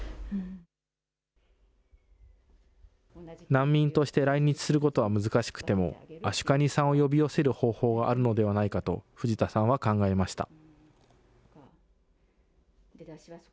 難民として来日することは難しくても、アシュカニさんを呼び寄せる方法があるのではないかと、藤田さんは考えました。